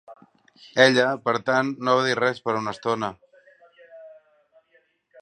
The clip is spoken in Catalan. Ella, per tant, no va dir res per una estona.